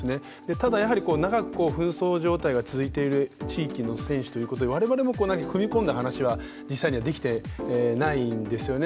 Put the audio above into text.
ただやはり長く紛争状態が続いている地域の選手ということで、我々も踏み込んだ話は実際にはできていないんですよね。